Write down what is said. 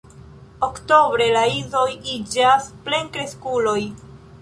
Oktobre la idoj iĝas plenkreskuloj.